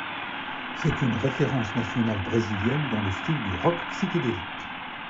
C'est une référence nationale brésilienne dans le style du rock psychédélique.